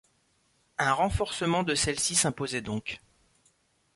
Un renforcement de celle-ci s’imposait donc.